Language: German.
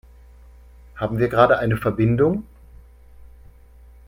Haben wir gerade eine Verbindung?